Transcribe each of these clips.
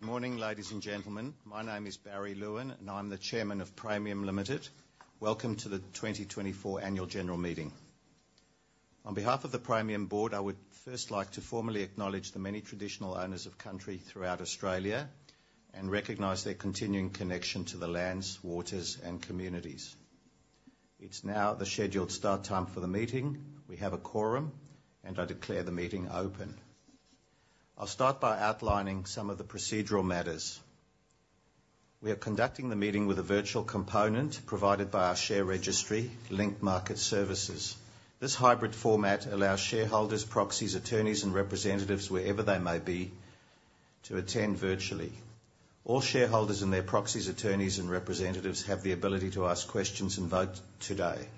Good morning, ladies and gentlemen. My name is Barry Lewin, and I'm the Chairman of Praemium Limited. Welcome to the 2024 Annual General Meeting. On behalf of the Praemium Board, I would first like to formally acknowledge the many traditional owners of country throughout Australia and recognize their continuing connection to the lands, waters, and communities. It's now the scheduled start time for the meeting. We have a quorum, and I declare the meeting open. I'll start by outlining some of the procedural matters. We are conducting the meeting with a virtual component provided by our share registry, Link Market Services. This hybrid format allows shareholders, proxies, attorneys, and representatives, wherever they may be, to attend virtually. All shareholders and their proxies, attorneys, and representatives have the ability to ask questions and vote today.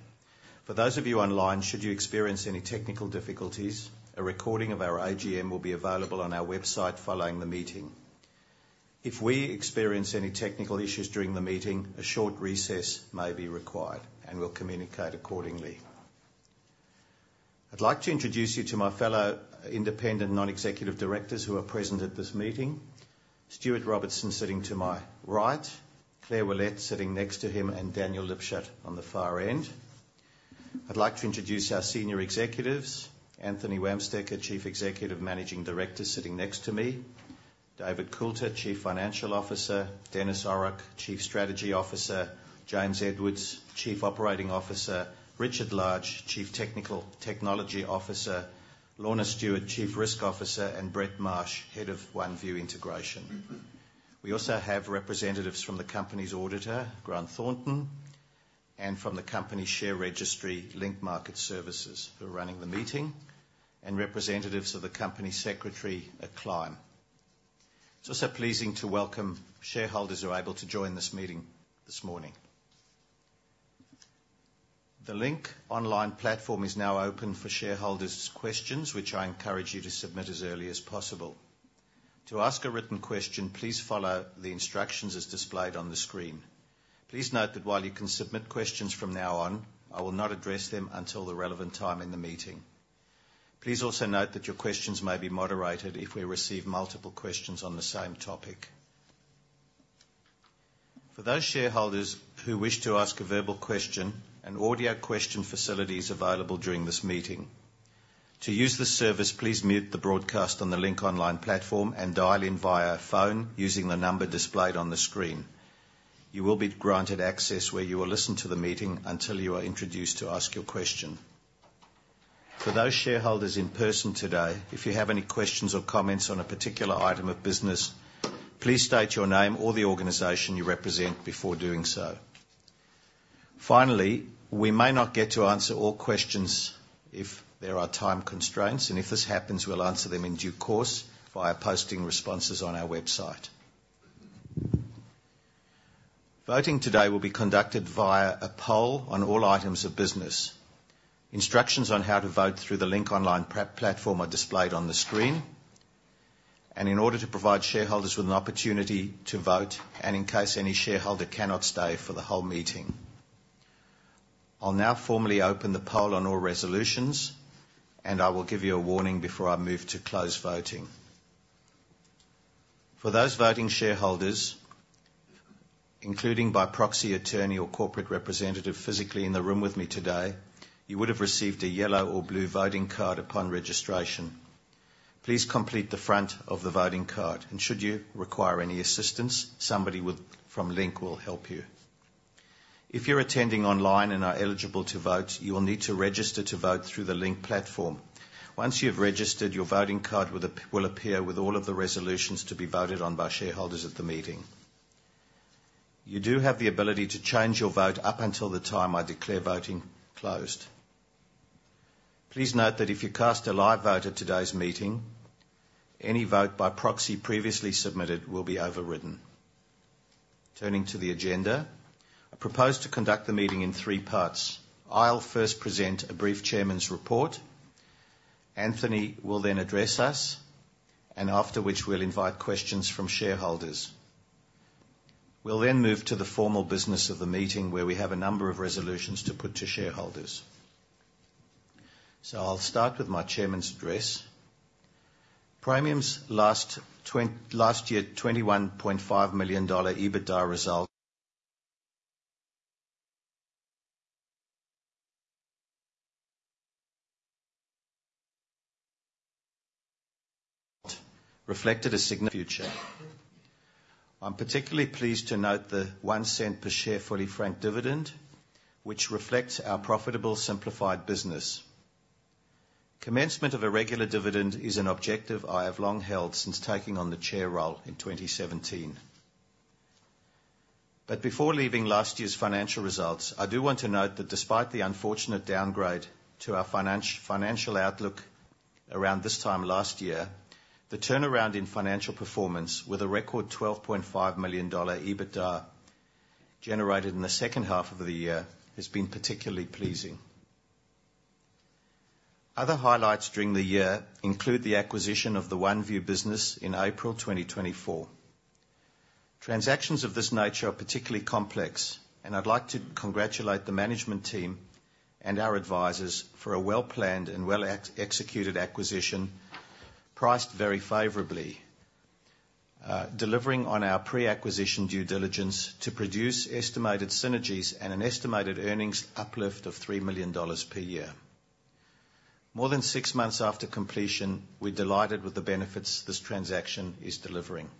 For those of you online, should you experience any technical difficulties, a recording of our AGM will be available on our website following the meeting. If we experience any technical issues during the meeting, a short recess may be required, and we'll communicate accordingly. I'd like to introduce you to my fellow independent non-executive directors who are present at this meeting: Stuart Robertson sitting to my right, Claire Willette sitting next to him, and Daniel Lipshut on the far end. I'd like to introduce our senior executives: Anthony Wamsteker, Chief Executive Managing Director, sitting next to me, David Coulter, Chief Financial Officer, Denis Orrock, Chief Strategy Officer, James Edmonds, Chief Operating Officer, Richard Large, Chief Technology Officer, Lorna Stuart, Chief Risk Officer, and Brett Marsh, Head of OneVue Integration. We also have representatives from the company's auditor, Grant Thornton, and from the company's share registry, Link Market Services, who are running the meeting, and representatives of the company's secretary, Acclime. It's also pleasing to welcome shareholders who are able to join this meeting this morning. The Link online platform is now open for shareholders' questions, which I encourage you to submit as early as possible. To ask a written question, please follow the instructions as displayed on the screen. Please note that while you can submit questions from now on, I will not address them until the relevant time in the meeting. Please also note that your questions may be moderated if we receive multiple questions on the same topic. For those shareholders who wish to ask a verbal question, an audio question facility is available during this meeting. To use the service, please mute the broadcast on the Link online platform and dial in via phone using the number displayed on the screen. You will be granted access where you will listen to the meeting until you are introduced to ask your question. For those shareholders in person today, if you have any questions or comments on a particular item of business, please state your name or the organization you represent before doing so. Finally, we may not get to answer all questions if there are time constraints, and if this happens, we'll answer them in due course via posting responses on our website. Voting today will be conducted via a poll on all items of business. Instructions on how to vote through the Link online platform are displayed on the screen, and in order to provide shareholders with an opportunity to vote and in case any shareholder cannot stay for the whole meeting, I'll now formally open the poll on all resolutions, and I will give you a warning before I move to close voting. For those voting shareholders, including by proxy, attorney, or corporate representative physically in the room with me today, you would have received a yellow or blue voting card upon registration. Please complete the front of the voting card, and should you require any assistance, somebody from Link will help you. If you're attending online and are eligible to vote, you will need to register to vote through the Link platform. Once you've registered, your voting card will appear with all of the resolutions to be voted on by shareholders at the meeting. You do have the ability to change your vote up until the time I declare voting closed. Please note that if you cast a live vote at today's meeting, any vote by proxy previously submitted will be overridden. Turning to the agenda, I propose to conduct the meeting in three parts. I'll first present a brief Chairman's Report. Anthony will then address us, and after which, we'll invite questions from shareholders. We'll then move to the formal business of the meeting, where we have a number of resolutions to put to shareholders. So I'll start with my Chairman's Address. Praemium's last year's AUD 21.5 million EBITDA result reflected a future. I'm particularly pleased to note the one cent per share fully franked dividend, which reflects our profitable simplified business. Commencement of a regular dividend is an objective I have long held since taking on the Chair role in 2017. But before leaving last year's financial results, I do want to note that despite the unfortunate downgrade to our financial outlook around this time last year, the turnaround in financial performance with a record AUD 12.5 million EBITDA generated in the second half of the year has been particularly pleasing. Other highlights during the year include the acquisition of the OneVue business in April 2024. Transactions of this nature are particularly complex, and I'd like to congratulate the management team and our advisors for a well-planned and well-executed acquisition priced very favorably, delivering on our pre-acquisition due diligence to produce estimated synergies and an estimated earnings uplift of 3 million dollars per year. More than six months after completion, we're delighted with the benefits this transaction is delivering.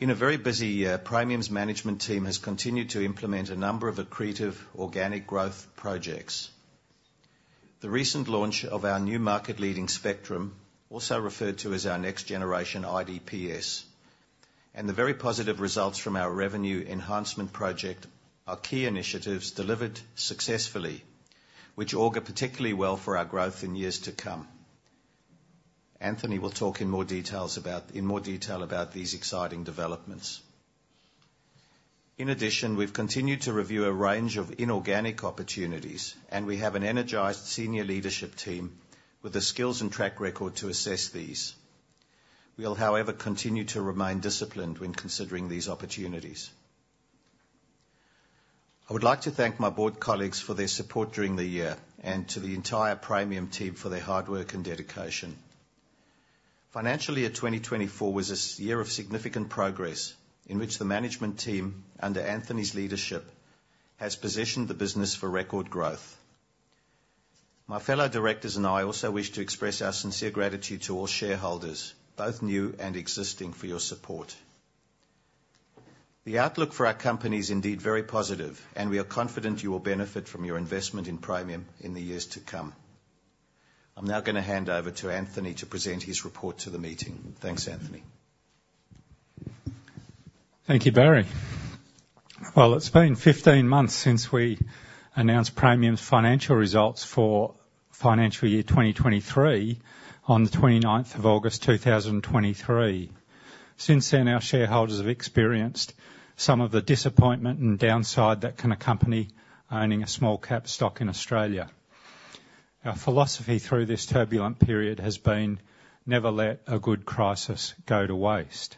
In a very busy year, Praemium's management team has continued to implement a number of accretive organic growth projects. The recent launch of our new market-leading Spectrum, also referred to as our next-generation IDPS, and the very positive results from our revenue enhancement project are key initiatives delivered successfully, which augur particularly well for our growth in years to come. Anthony will talk in more detail about these exciting developments. In addition, we've continued to review a range of inorganic opportunities, and we have an energized senior leadership team with the skills and track record to assess these. We'll, however, continue to remain disciplined when considering these opportunities. I would like to thank my board colleagues for their support during the year and to the entire Praemium team for their hard work and dedication. Financially, 2024 was a year of significant progress in which the management team, under Anthony's leadership, has positioned the business for record growth. My fellow directors and I also wish to express our sincere gratitude to all shareholders, both new and existing, for your support. The outlook for our company is indeed very positive, and we are confident you will benefit from your investment in Praemium in the years to come. I'm now going to hand over to Anthony to present his report to the meeting. Thanks, Anthony. Thank you, Barry. It's been 15 months since we announced Praemium's financial results for financial year 2023 on the 29th of August, 2023. Since then, our shareholders have experienced some of the disappointment and downside that can accompany owning a small-cap stock in Australia. Our philosophy through this turbulent period has been, "Never let a good crisis go to waste."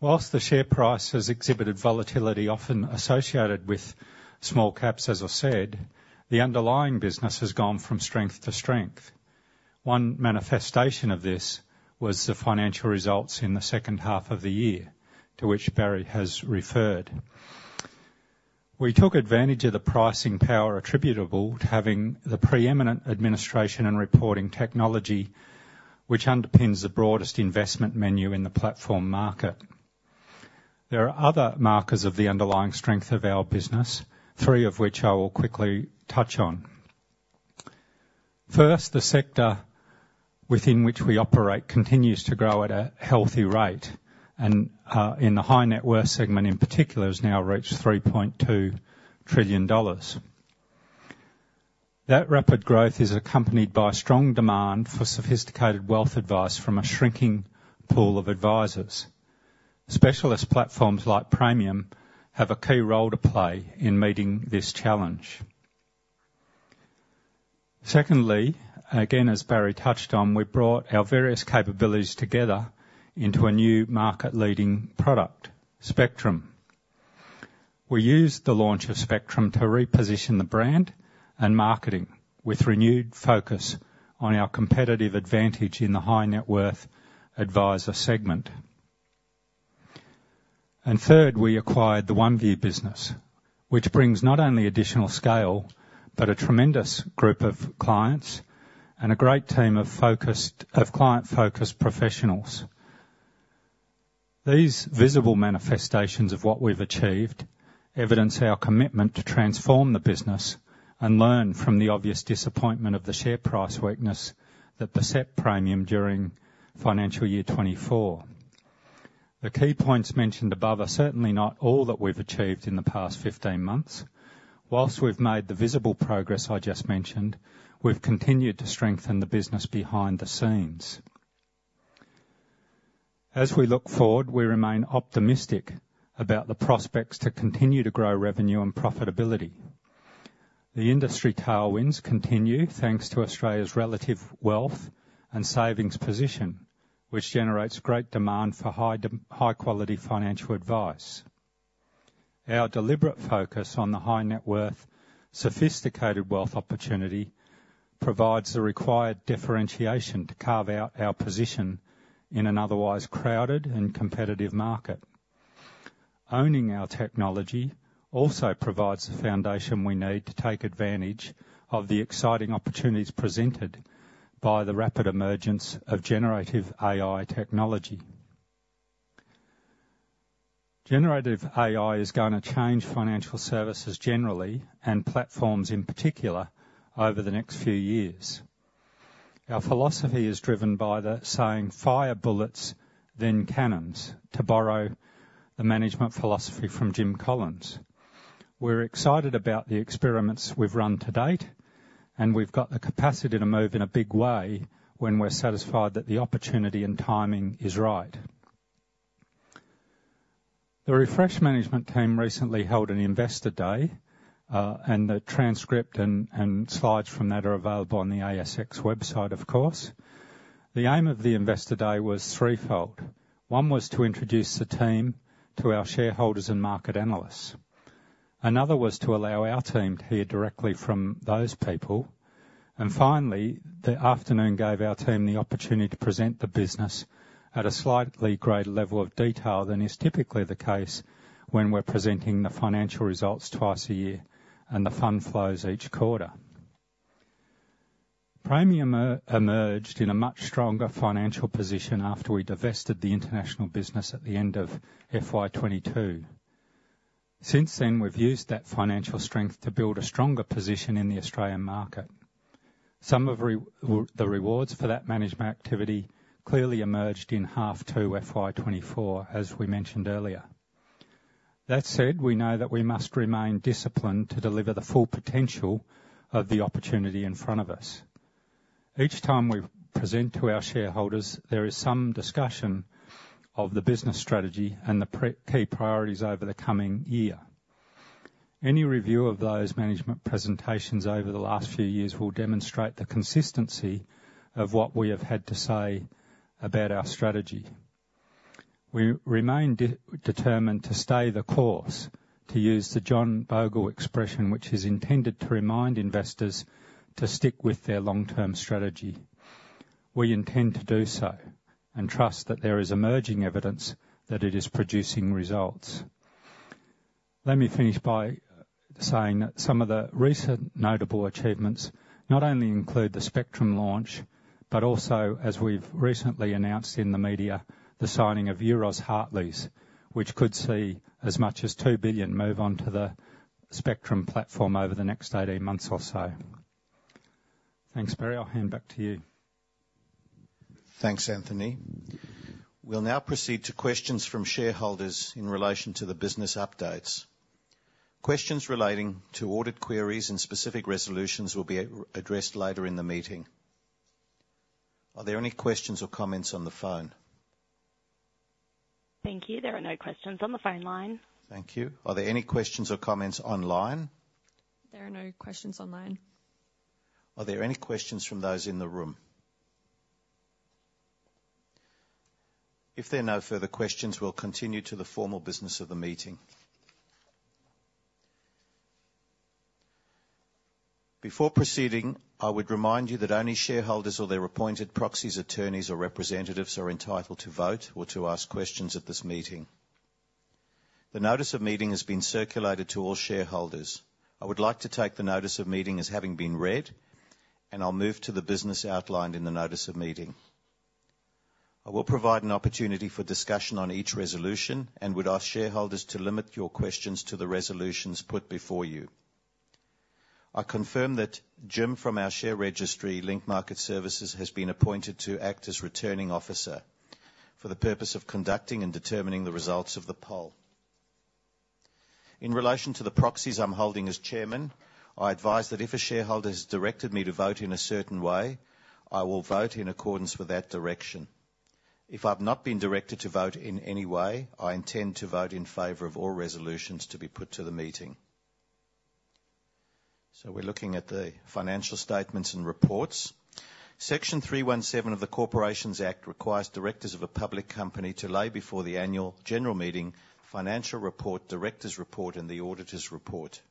While the share price has exhibited volatility often associated with small caps, as I said, the underlying business has gone from strength to strength. One manifestation of this was the financial results in the second half of the year, to which Barry has referred. We took advantage of the pricing power attributable to having the preeminent administration and reporting technology, which underpins the broadest investment menu in the platform market. There are other markers of the underlying strength of our business, three of which I will quickly touch on. First, the sector within which we operate continues to grow at a healthy rate, and in the high-net-worth segment in particular, has now reached 3.2 trillion dollars. That rapid growth is accompanied by strong demand for sophisticated wealth advice from a shrinking pool of advisors. Specialist platforms like Praemium have a key role to play in meeting this challenge. Secondly, again, as Barry touched on, we brought our various capabilities together into a new market-leading product, Spectrum. We used the launch of Spectrum to reposition the brand and marketing with renewed focus on our competitive advantage in the high-net-worth advisor segment. And third, we acquired the OneVue business, which brings not only additional scale but a tremendous group of clients and a great team of client-focused professionals. These visible manifestations of what we've achieved evidence our commitment to transform the business and learn from the obvious disappointment of the share price weakness that beset Praemium during financial year 2024. The key points mentioned above are certainly not all that we've achieved in the past 15 months. While we've made the visible progress I just mentioned, we've continued to strengthen the business behind the scenes. As we look forward, we remain optimistic about the prospects to continue to grow revenue and profitability. The industry tailwinds continue thanks to Australia's relative wealth and savings position, which generates great demand for high-quality financial advice. Our deliberate focus on the high-net-worth sophisticated wealth opportunity provides the required differentiation to carve out our position in an otherwise crowded and competitive market. Owning our technology also provides the foundation we need to take advantage of the exciting opportunities presented by the rapid emergence of generative AI technology. Generative AI is going to change financial services generally and platforms in particular over the next few years. Our philosophy is driven by the saying, "Fire bullets, then cannons," to borrow the management philosophy from Jim Collins. We're excited about the experiments we've run to date, and we've got the capacity to move in a big way when we're satisfied that the opportunity and timing is right. The Praemium management team recently held an Investor Day, and the transcript and slides from that are available on the ASX website, of course. The aim of the Investor Day was threefold. One was to introduce the team to our shareholders and market analysts. Another was to allow our team to hear directly from those people. Finally, the afternoon gave our team the opportunity to present the business at a slightly greater level of detail than is typically the case when we're presenting the financial results twice a year and the fund flows each quarter. Praemium emerged in a much stronger financial position after we divested the international business at the end of FY22. Since then, we've used that financial strength to build a stronger position in the Australian market. Some of the rewards for that management activity clearly emerged in H1 FY24, as we mentioned earlier. That said, we know that we must remain disciplined to deliver the full potential of the opportunity in front of us. Each time we present to our shareholders, there is some discussion of the business strategy and the key priorities over the coming year. Any review of those management presentations over the last few years will demonstrate the consistency of what we have had to say about our strategy. We remain determined to stay the course, to use the John Bogle expression, which is intended to remind investors to stick with their long-term strategy. We intend to do so and trust that there is emerging evidence that it is producing results. Let me finish by saying that some of the recent notable achievements not only include the Spectrum launch, but also, as we've recently announced in the media, the signing of Euroz Hartleys, which could see as much as 2 billion move onto the Spectrum platform over the next 18 months or so. Thanks, Barry. I'll hand back to you. Thanks, Anthony. We'll now proceed to questions from shareholders in relation to the business updates. Questions relating to audit queries and specific resolutions will be addressed later in the meeting. Are there any questions or comments on the phone? Thank you. There are no questions on the phone line. Thank you. Are there any questions or comments online? There are no questions online. Are there any questions from those in the room? If there are no further questions, we'll continue to the formal business of the meeting. Before proceeding, I would remind you that only shareholders or their appointed proxies, attorneys, or representatives are entitled to vote or to ask questions at this meeting. The notice of meeting has been circulated to all shareholders. I would like to take the notice of meeting as having been read, and I'll move to the business outlined in the notice of meeting. I will provide an opportunity for discussion on each resolution and would ask shareholders to limit your questions to the resolutions put before you. I confirm that Jim from our share registry, Link Market Services, has been appointed to act as returning officer for the purpose of conducting and determining the results of the poll. In relation to the proxies I'm holding as chairman, I advise that if a shareholder has directed me to vote in a certain way, I will vote in accordance with that direction. If I've not been directed to vote in any way, I intend to vote in favor of all resolutions to be put to the meeting. So we're looking at the financial statements and reports. Section 317 of the Corporations Act requires directors of a public company to lay before the annual general meeting financial report, director's report, and the auditor's report.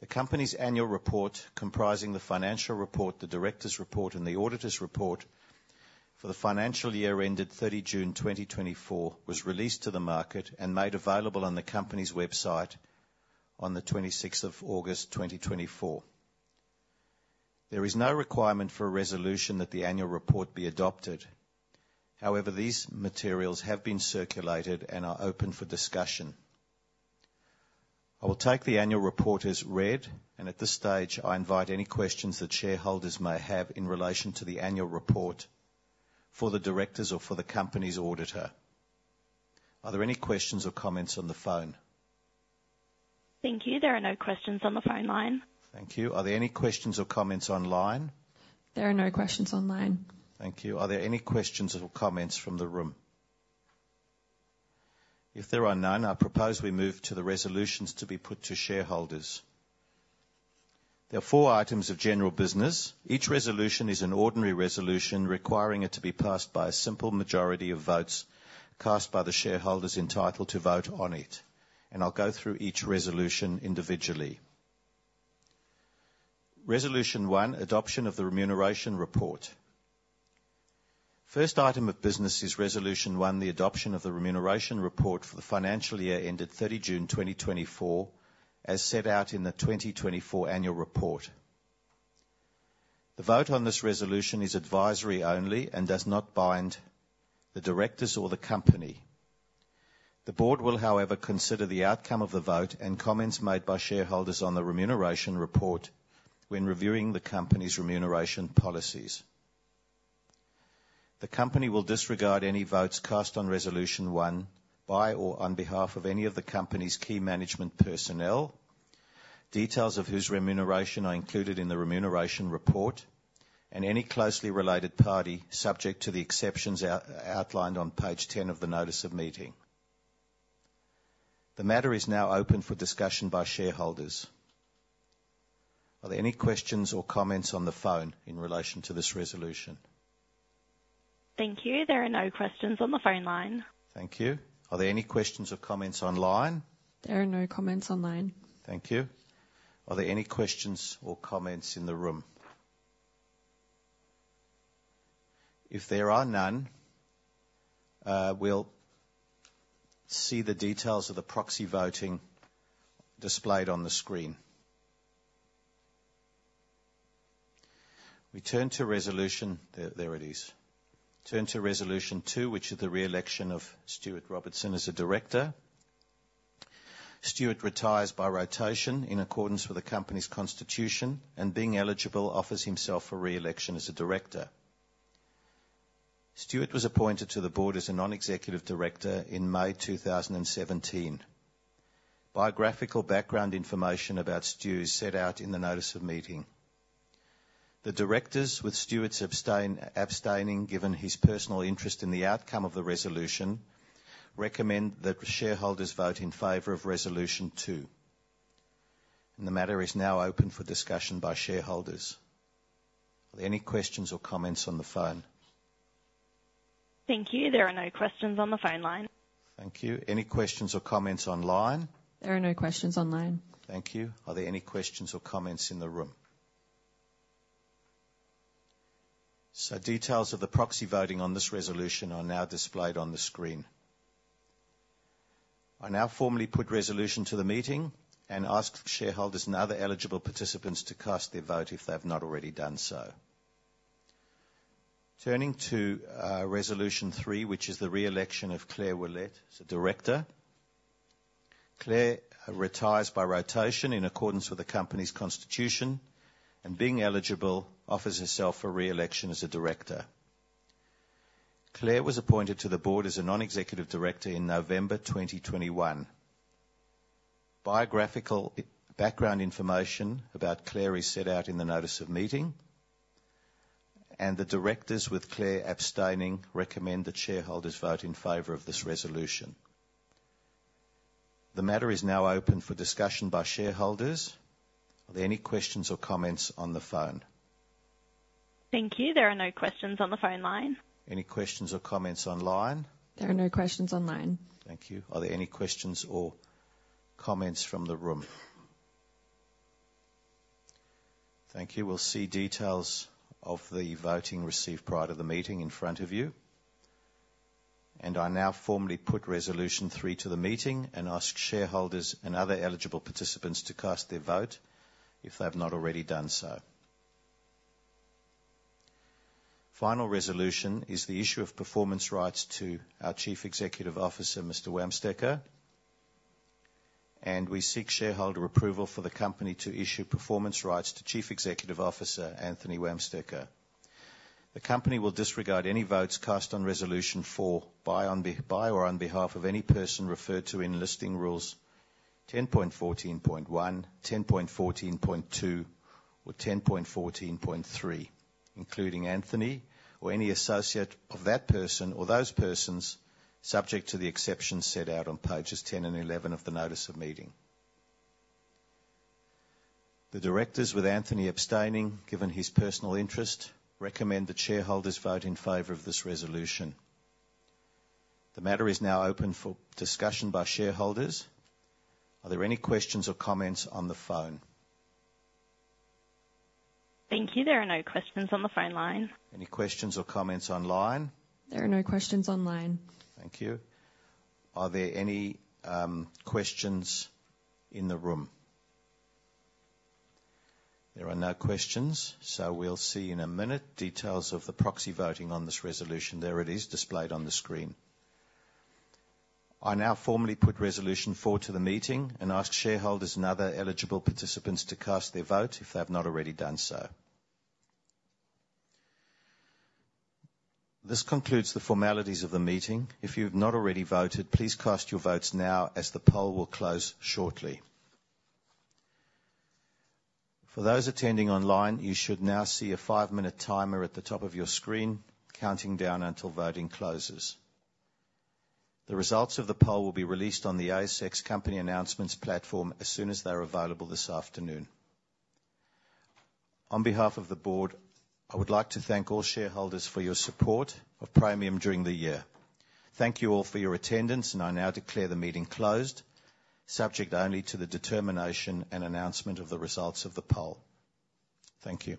The company's annual report, comprising the financial report, the director's report, and the auditor's report for the financial year ended 30 June 2024, was released to the market and made available on the company's website on the 26th of August, 2024. There is no requirement for a resolution that the annual report be adopted. However, these materials have been circulated and are open for discussion. I will take the annual report as read, and at this stage, I invite any questions that shareholders may have in relation to the annual report for the directors or for the company's auditor. Are there any questions or comments on the phone? Thank you. There are no questions on the phone line. Thank you. Are there any questions or comments online? There are no questions online. Thank you. Are there any questions or comments from the room? If there are none, I propose we move to the resolutions to be put to shareholders. There are four items of general business. Each resolution is an ordinary resolution requiring it to be passed by a simple majority of votes cast by the shareholders entitled to vote on it, and I'll go through each resolution individually. Resolution One, adoption of the remuneration report. First item of business is Resolution One, the adoption of the remuneration report for the financial year ended 30 June 2024, as set out in the 2024 annual report. The vote on this resolution is advisory only and does not bind the directors or the company. The board will, however, consider the outcome of the vote and comments made by shareholders on the remuneration report when reviewing the company's remuneration policies. The company will disregard any votes cast on Resolution One by or on behalf of any of the company's key management personnel, details of whose remuneration are included in the remuneration report, and any closely related party subject to the exceptions outlined on page 10 of the notice of meeting. The matter is now open for discussion by shareholders. Are there any questions or comments on the phone in relation to this resolution? Thank you. There are no questions on the phone line. Thank you. Are there any questions or comments online? There are no comments online. Thank you. Are there any questions or comments in the room? If there are none, we'll see the details of the proxy voting displayed on the screen. We turn to Resolution, there it is, turn to Resolution Two, which is the re-election of Stuart Robertson as a director. Stuart retires by rotation in accordance with the company's constitution, and being eligible offers himself for re-election as a director. Stuart was appointed to the board as a non-executive director in May 2017. Biographical background information about Stu is set out in the notice of meeting. The directors, with Stuart's abstaining given his personal interest in the outcome of the resolution, recommend that shareholders vote in favor of Resolution Two, and the matter is now open for discussion by shareholders. Are there any questions or comments on the phone? Thank you. There are no questions on the phone line. Thank you. Any questions or comments online? There are no questions online. Thank you. Are there any questions or comments in the room? So details of the proxy voting on this resolution are now displayed on the screen. I now formally put resolution to the meeting and ask shareholders and other eligible participants to cast their vote if they have not already done so. Turning to Resolution Three, which is the re-election of Claire Willette as a director. Claire retires by rotation in accordance with the company's constitution, and being eligible offers herself for re-election as a director. Claire was appointed to the board as a non-executive director in November 2021. Biographical background information about Claire is set out in the notice of meeting, and the directors, with Claire abstaining, recommend that shareholders vote in favor of this resolution. The matter is now open for discussion by shareholders. Are there any questions or comments on the phone? Thank you. There are no questions on the phone line. Any questions or comments online? There are no questions online. Thank you. Are there any questions or comments from the room? Thank you. We'll see details of the voting received prior to the meeting in front of you, and I now formally put Resolution Three to the meeting and ask shareholders and other eligible participants to cast their vote if they have not already done so. Final resolution is the issue of performance rights to our Chief Executive Officer, Mr. Wamsteker, and we seek shareholder approval for the company to issue performance rights to Chief Executive Officer, Anthony Wamsteker. The company will disregard any votes cast on Resolution Four by or on behalf of any person referred to in Listing Rules 10.14.1, 10.14.2, or 10.14.3, including Anthony or any associate of that person or those persons, subject to the exceptions set out on pages 10 and 11 of the notice of meeting. The directors, with Anthony abstaining, given his personal interest, recommend the shareholders vote in favor of this resolution. The matter is now open for discussion by shareholders. Are there any questions or comments on the phone? Thank you. There are no questions on the phone line. Any questions or comments online? There are no questions online. Thank you. Are there any questions in the room? There are no questions, so we'll see in a minute details of the proxy voting on this resolution. There it is displayed on the screen. I now formally put Resolution Four to the meeting and ask shareholders and other eligible participants to cast their vote if they have not already done so. This concludes the formalities of the meeting. If you have not already voted, please cast your votes now as the poll will close shortly. For those attending online, you should now see a five-minute timer at the top of your screen counting down until voting closes. The results of the poll will be released on the ASX Company Announcements platform as soon as they're available this afternoon. On behalf of the board, I would like to thank all shareholders for your support of Praemium during the year. Thank you all for your attendance, and I now declare the meeting closed, subject only to the determination and announcement of the results of the poll. Thank you.